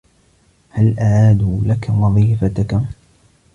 هل أعادوا لك وظيفتك؟